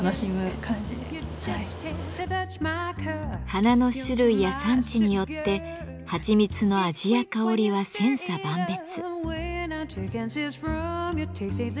花の種類や産地によってはちみつの味や香りは千差万別。